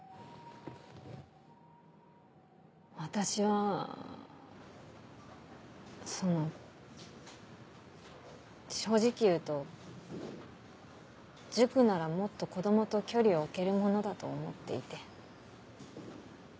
私はその正直言うと塾ならもっと子供と距離を置けるものだと思っていて。